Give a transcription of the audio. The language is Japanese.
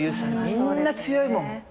みんな強いもん。